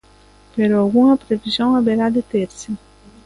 Pero algunha previsión haberá de terse.